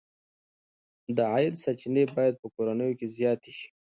د عاید سرچینې باید په کورنیو کې زیاتې شي.